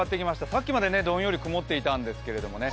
さっきまでどんより曇っていたんですけれどもね。